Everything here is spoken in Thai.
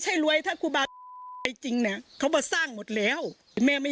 ใช่รวยถ้าครูบาไอ้จริงเนี่ยเขามาสร้างหมดแล้วไอ้แม่ไม่